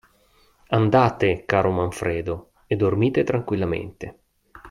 Andate, caro Manfredo, e dormite tranquillamente!